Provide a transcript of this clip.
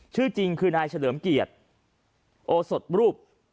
ชื่อจริงคือนายเฉลิมเกียรติโอสดรูป